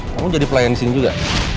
kamu jadi pelayan di sini juga